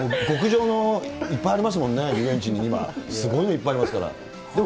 極上の、いっぱいありますもんね、遊園地に今、すごいのいっぱいありますから。